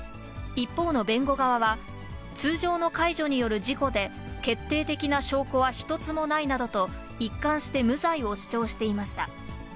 一方の弁護側は、通常の介助による事故で、決定的な証拠は一つもないなどと、一貫して無罪を主張していました。